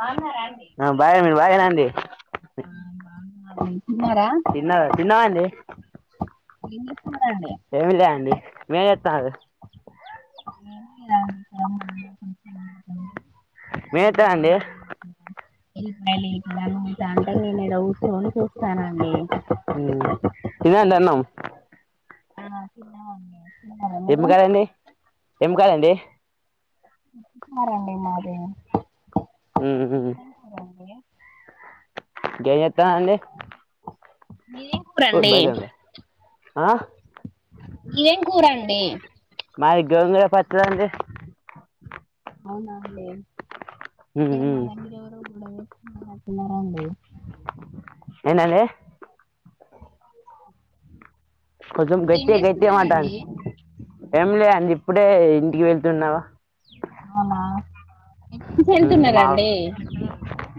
బాగున్నారా అండి మీరు బాగున్నారా అండి ఆ బాగున్నాండి తిన్నారా తిన్నార తిన్నమండి ఏం చేస్తున్నారండి ఏమి లేండి ఏం చెత్తన్నారు [unintelligible] [unintelligible] మీరేం చేస్తారండి ఏ మళ్ళ ఇట్లాని ఉంటా అంటే నేను ఈడ కుర్సొని చూస్తానండి ఉమ్ తినండి అన్నం ఆ తిన్నామండి తిన్నారా ఏం మీరు కర్రీ అండి ఏం కర్రీ అండి మారండి మాది ఉ మీదేం కూరండి త్తా అండి మీదేం కూూరండి ఆ మీదేం కూర అండి డి మాది గోంగుర పచ్చడండి అవునా అండి ఉమ్ ఇక్కడ ఉమ్ మాదాంగిరివరు కూడాదు హ తిన్నరండి ఏందండి కొంచెం ఏం గట్టిగా గట్టిగా మాట్లాడండి చేస్తున్నారండి ఎమ్ లే అండి ఇప్పుడే ఇంటికి వెళ్తున్నావా అవున ఉ మ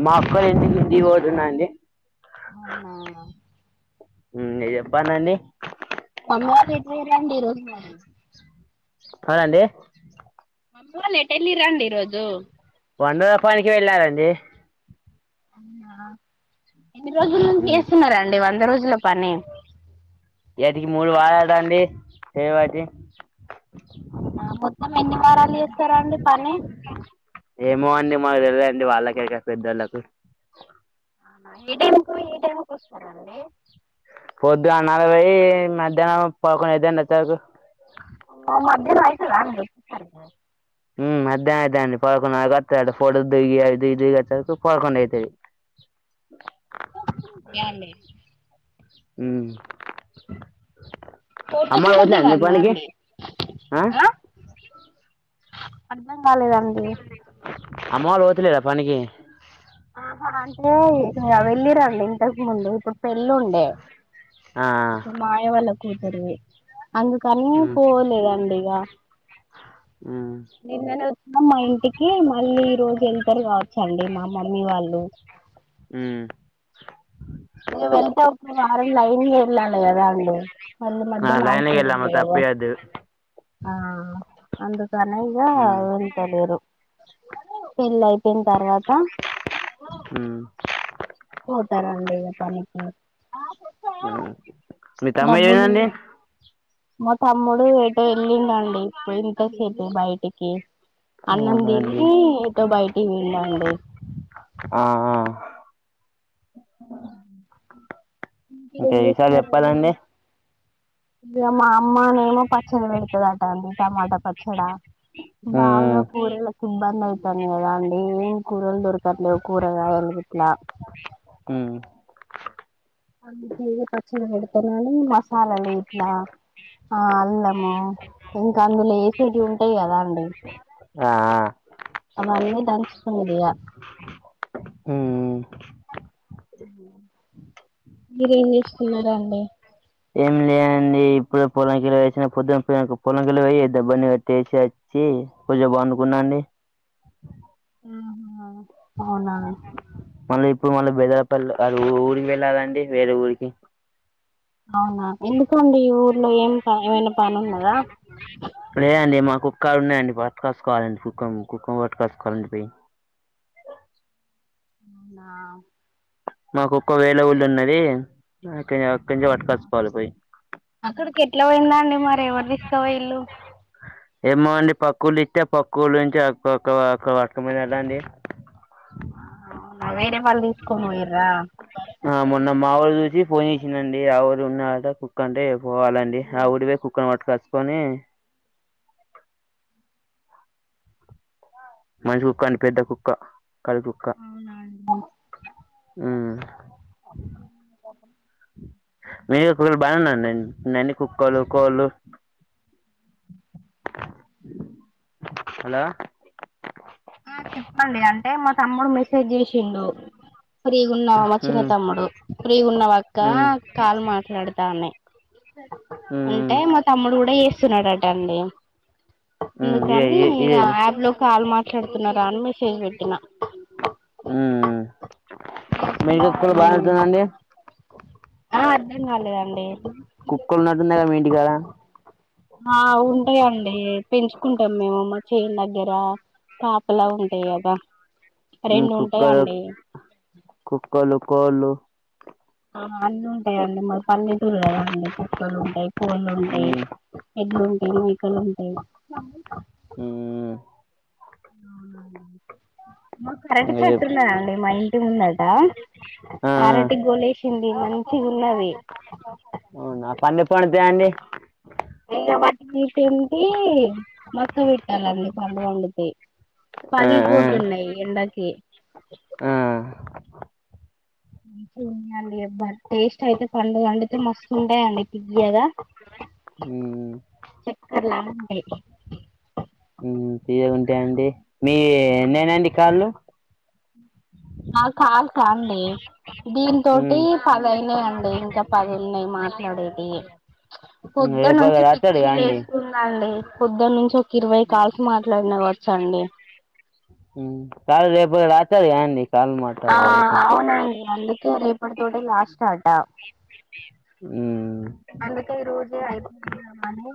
మా అక్కోలింటికి ఇంటికి పోతున్నాండి అవున ఉ ఇగ చెప్పాడండీ పాయి అవునండి అమ్మోలు ఎటు ఎల్లీరు అండి ఈరోజు [unintelligible] పనికి వెళ్ళారండి అవున ఎన్ని రోజుల నుంచి ఉమ్ చేస్తున్నారండి వంద రోజుల పని ఇయ్యటికి మూడు వారాలండి చేయ వట్టి అవున మొత్తం ఎన్ని వారాలు చేస్తారండి పని అది వాళ్ళకేరక పెద్దోలకు అవునా, ఏ టైమ్ కు పోయి ఏ టైమ్ వస్త వస్తారండి పొద్దు నాలుగు పోయి మధ్యాహ్నం పదకొండు ఐద్దండి వచ్చేవరకు ఆ మధ్యానం అయితద అండి వచ్చేసరికి ఉ మధ్యానం అయిత అండి పదకొన్నరకు వస్తాడంట ఫోటో దిగి ఐ దిగి ఇ దిగి అచ్చే వరకు పదకొండైతది ఏవండీ ఉ ఫోటోస్ అమ్మా కూడా పోట్లే అండి దిగాల్నా పనికి ఆ అర్ధం కాలేదండి అమ్మ వాళు పోతలేరా పనికి ఆహ అంటే ఇగ వెళ్ళి రండి ఇంతకు ముందు ఇప్పుడు పెళ్ళి ఉండి తే మా మావయ్య వాళ్ళది కొత్తదే అందుకని పోలేదండి ఇక నిన్ననే వచ్చన్నాం మా ఇంటికి మళ్ళీ ఈ రోజు వెళ్తారు కావచ్చండి మా మమ్మీ వాళ్ళు హు నువవు వెళ్తా ఒక వారం లైన్ వెళ్ళాలి కదా అండి మళ్ళీ ఆ మధ్యలో లైన్గ ఎలా ఆగిపోకూడదు మత్త కదా అప్పి అదిది [inaudible] ఆ అందు తనిగా వెళ్ంతలేరు పెళ్ళి అయిపోయిన తర్వాత పోతారండి ఇ పనికి మీ తమ్ముడు డబ్బులు ఏమైందండి మా తమ్ముడు ఏటో వెళ్ళిండ అండి పోయి [inaudible] బడిటికి అన్నాం అవునా అండి తిని ఏతో బయటికి పోయిందండి ఏం ఇంకేం విషయాలు చేస్తారండి చెప్పాలండి ఇగ మా అమ్మనేమో పచ్చడి పెడుతదట అండి టమాటా పచ్చడి ఆ బాగా కూరలకు ఇబ్బంది ఐతంది కదాండి కూరలు దొర్కట్లే కూరగాయ అట్ హ అ పచ్చడి పెడతన మసాలాలు ఇట్లా ఆ అల్లము ఇంకా అందులో వేసేటీవీ ఉంటాయి కదా అండి ఆ అ అన్నీ దంచి వేయాలి [inaudible] మీరేం చేసుకున్నారా అండి ఏం లేదండి ఇప్పుడు పొలం కిలో వేసిన పొద్దున పొలం కి పోయినక [inaudible] పెట్టేసి వచ్చి పూజ బాగునుకున్నాండి ఆహా అవునా మళ్ళీ ఇప్పుడు మళ్ళీ బెదరపల్లి ఊరికి వెళ్ళాలండి వేరే ఊరికి అవునా ఎందుకండి ఈ ఊర్లో ఏం ఏమైనా పని ఉన్నదా లేదండి మా కుక్కలు ఉన్నాయండి పట్టకసు కోవాలండి కుక్కం కుక్కం పట్కాసుకోవాలండి పోయి అవునా మాకు కుక్క వేరే ఊళ్ళు ఉన్నది అక్కడి అక్కడి నుంచి ఆహా పట్టుకొచ్చుకోవాలి పోయి అక్కడికి ఎట్లా పోయిందా అండి మరి ఎవరు తీసుకో పాయింలు తే పక్క ఊర్లో నుంచి పట్టుకో పోయినారు అండి వేరే వాళ్ళు తీసుకని ఆ మొన్న మా వాళు చూసి ఫోన్ చేసినండి ఎవరు ఉన్నడ కుక్క అంటే పోవాలండి ఆ ఊరికి పోయి కుక్కని పట్టుకోచు కొనీ మంచి కుక్క అండి పెద్ద కుక్క కర్రి కుక్క అవునా అండి హ అందు కాప్పం మీ కులు బాగానేన్నాం నన్ని కుక్కలు కోళ్ళు [inaudible] హలో ఆ చెప్పండి అంటే మా తమ్ముడు మెసేజ్ చేసిండు ఫ్రీగా ఉన్నావా మా చిన్న మ్మ్ తమ్ముడు ఫ్రీగా ఉన్నవాక్క మ్మ్ కాల్ మాట్లాడతానే మ్మ్ అంటే మా తమ్ముడు కూడా చేస్తున్నాడటండి మ్మ్ ఇదే అందుకని ఇదే ఇదేది యాప్ లో కాల్ మాట్ మాట్లాడుతున్నారా అని మెసేజ్ పెట్టిన హ్మ్ ఆ అర్థం కాలేదండి కుక్కలు ఉన్నట్టున్నాయి కదా మీ ఇంటికాడ ఆ ఉంటాయండి పెంచుకుంటాం మేము మా చేన్ దగ్గర కాపలా ఉంటాయి కదా హ్మ్ రెండు కుక్కలు ఉంటాయండి కుక్కలు కోళ్ళు ఆ అందు ముప్పైఅండి మాది పల్లెటూరు కదా అండి మొక్కలు ఉంటాయి పూలు ఉంటాయి మ్మ్ ఎడ్లు ఉంటాయి మేకలు ఉంటా అ హ్మ్ మాకు అరటి ఇంగ చెప్ చెట్టున్ననండి మా ఇంటి ముందట ఆ ఆ అరటి గోలేష్ ఉంది మంచిగు అవునా [unintelligible] అండి [unintelligible] మక్క పెట్టాలండి పంట పండుతాయ్ ఆ ఆ పగిలిపోతున్నాయి ఎండకి ఆ మంచిగుందండి టేస్ట్ అయితే పండు పండితే మస్తు ఉంటాయండి తియ్యగా హ్మ్ చక్కర లాగా ఉంటాయి మ్మ్ [unintelligible] పెండి మీ ఎన్నైనాండి కాళ్ళు ఆ కాల్స్ అండి దీని తోటి మ్మ్ పదయినాయండి ఇంకా పది ఉన్నాయి మాట్లాడేది పొద్దు రేపటి నుంచి రాత్తాడు పిచ్చి గా అండి లేస్తుందండి పొద్దున్న నుంచి ఒక ఇరవై కాల్స్ మాట్లాడిన వచ్చా అండి హ్మ్ కాల్ రేపు రాత్తారు గా అండి కాళ్ళు ఆ మాట్లాడు వరకు అవునా అందుకే రేపటి తోటే లాస్ట్ అట హ్మ్ అందుకే ఈ రోజే అయిపోకూడమని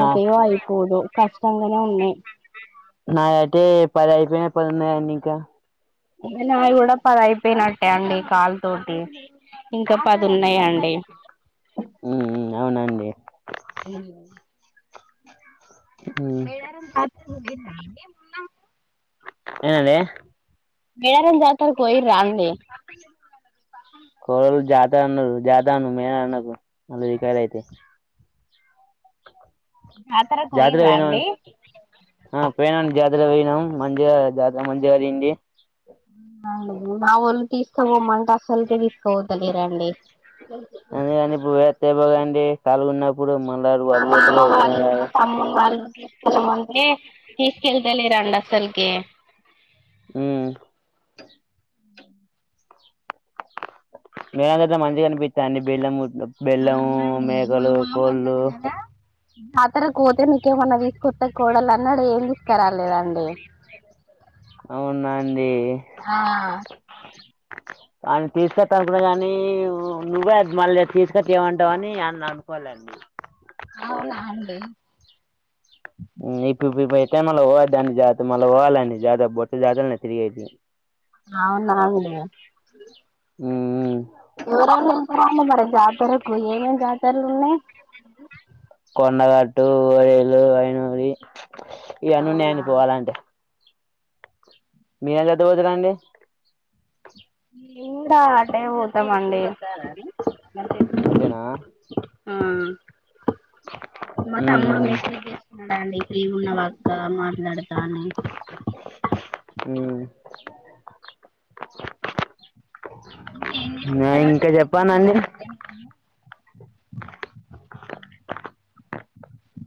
నా అయిపోదు కష్టంగానే అన్ని నాయయితే పది అయిపోయి పదున్నాయండి ఇంకా నాయి కూడా పది అయి అయిపోయినట్టే అండి కాలు తోటి ఇంకా పది మ్మ్ ఉన్నాయండి. మ్మ్ అవునండి మ్మ్ [unintelligible] ఏండి మేళారం జాతర పోయిర్రా అండి కాదు జాత అన్నారు జాతా అ మే అన్న మళ్ళ రకాలు అయితే ఆ జతరకు పోయిరా అండి పోయినా జాతర పోయినాం మంచిగా జాతర మంచిగా జరింగింది నా ఒల్ తీస్ కుపోమన్ అందు కాని పోయ తె బోగా ఇ కాలగున్ ఇప్పుడు మళ్ళారు మా వరుపోత్ర ఎజ [unintelligible] [unintelligible] తీసుకెళ్తలే ఎండ అసల్కె మ్ మేడం కా మంచిగా కనిపించా అండి బెల్లము బెల్లము మేకలు కోళ్ళు జాతర కోతే నీకేమన్నా తీసుకొస్తా కోడలా అన్నాడు ఏం తీసుకురాలేదండి అవునండి ఆ ఆమె తీసుకత్తాదికున్నా గాని నువ్వే మళ్ళీ తీసుకచ్చి ఇయ్యమంటావు అని అనుకోలేదండి. అవునా అండి [unintelligible] అవునా అండి మ్మ్ హ్మ్ ఎవరెవరు ఎళ్తారండి మరి జాతరకు ఏమేమి జాతరలున్నాయ్ అహ్ కొండగట్టు ఓయిల్లు వైనూరి అవునా ఇయనున్నాయండి పోవాలంటే మీరందు ఎట్ట వోతురండి ఇంగా అటే వోతామండి అదేనా మా తమ్ముడు మెసేజ్ చేస్తున్నాడండి ఫ్రీ ఉన్నవాక్క మాట్లాడతాని ఇంకేం చేసుకున్నారండి ఇంకా మరి తిన్నార చెప్పానండి మధ్యాహ్నం అన్నం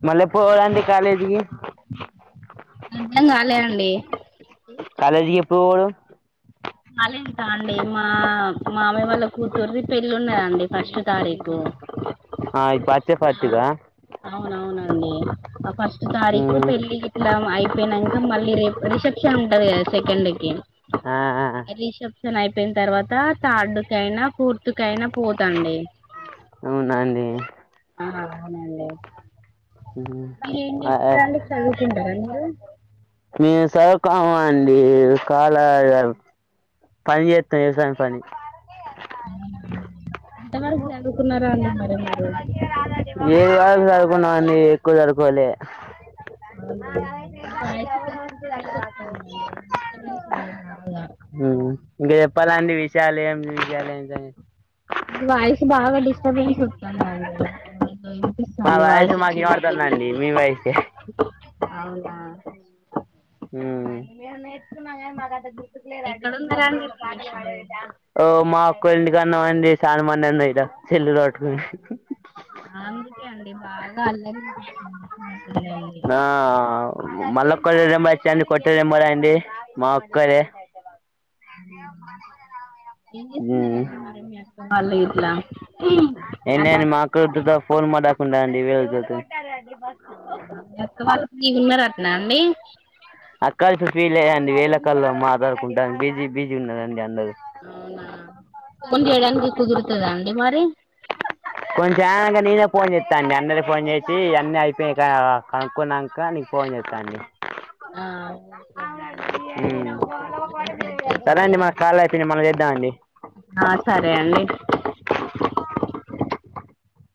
మళ్ళీ పోదండి కాలేజీకి అందం కాలే అండి కాలేజీ ఎప్పుడు పొదావ్ [unintelligible] ఆ మామ వాళ్ళ కూతురుది పెళ్ళి ఉన్నారంండి ఫస్ట్ తారీఖు ఆ ఇప్పుడు వచ్చే ఫస్ట్కా అవునవునండి ఆ ఫస్ట్ తారీకుు పెళ్ళి ఇట్లా అయిపోయినాక మళ్ళీ ర రిసెప్షన్ ఉంటది కదా సెకండ్కి ఆ చెప్షన్ అయిపోయిన తర్వాత తార్డుకైనా పూర్తుకైనా పోతుండి అవునా అండి ఆ అవునండి మీరు ఏం చేస్తారా అండి చదువుకుంటారా మీరు మీ సర కా అడి కాాల పనితు వివసాయం పని ఇంత మరి మీరు ఏది వరకు జరుకున్నామండి ఎక్కువ సరుకోవాలి అవునా అండి మీ వాయిస్ కొంచెం చిన్నగా వస్తుందండి డిస్టర్బెన్స్ ఉన్నది బాగా ఇంక చెప్పాలండి విషయాలు ఏమి దవాయి బాగా డిస్టర్బెన్స్ వస్తుందండి మా వయసు వాయిస్ మాక చిన్న ఏంమడుతుందండి పిల్లలది మీ వయసే అవునా ఎ మ గు ఎక్కడున్నారండి మీరు చిన్నప్పుడ ఇప్పుడు ఎంటి కన్నా అండి చాల మనింది ఇలా చెల్లు తట్టుకుని అందుకే అండి బాగా అల్లరి చిన్నప్పుడు ఆ కొట్టారుమరా అండి మా ఒక్కరే ఆ ఏం ఉమ్ చేస్తున్నారుారా మరి మీ అ వాళ్ళ ఇట్లా ఏంటి అలా అండి మాకు ఫోన్ మాకుండా అండి వళ మీ అక్క వాళ్ళు ఫ్రీ ఉన్నారటనా అండి అక్కల్ సుఫీలే రన్నిడు వేల కలా మాట్లాడుకుంటాం బిజీ బిజీ ఉన్నదండి అన్న అవునా ఫోన్ చేయడానికి కుదురుతదా అండి మరి కొంచెంక నేనే ఫోన్ చేస్తాండి అన్నరి ఫోన్ చేసి అన్న అయిపోయి కనుక్కున్నాక నీకు ఫోన్ చేస్తాండి ఆ ఓే అండి కూడా హ అయితుంది సరే అండి కదా మన కాల్ అయిపోయింది మనం చేద్దామండి సరే అండి